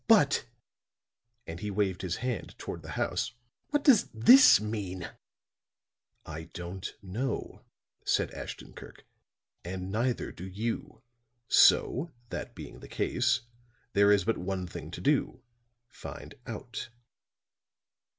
"But," and he waved his hand toward the house, "what does this mean?" "I don't know," said Ashton Kirk. "And neither do you. So that being the case there is but one thing to do find out."